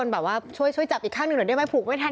แบบว่าช่วยจับอีกข้างหนึ่งหน่อยได้ไหมผูกไม่ทัน